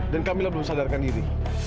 dan camilla belum sadarkan diri